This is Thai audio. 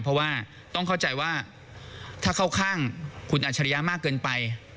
เพราะว่าต้องเข้าใจว่าถ้าเข้าข้างคุณอัจฉริยะมากเกินไป